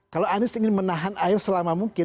kalau anies ingin menahan air selama mungkin